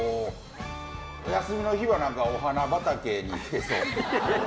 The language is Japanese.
休みの日はお花畑に行ってそう。